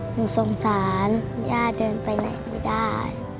หนูสงสารย่าเดินไปไหนไม่ได้